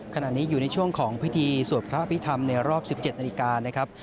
ขณะนี้อยู่ในช่วงของพิธีสวดพระอภิษฐรรมในรอบ๑๗นาฬิกานะครับ